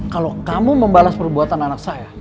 kalau kamu membalas perbuatan anak saya